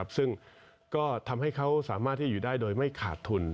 ซึ่งก็ทำให้เขาสามารถที่จะอยู่ได้โดยไม่ขาดทุน